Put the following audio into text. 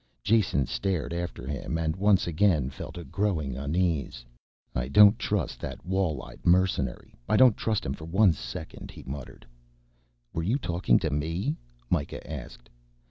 Jason stared after him and once again felt a growing unease. "I don't trust that wall eyed mercenary, I don't trust him for one second," he muttered. "Were you talking to me?" Mikah asked.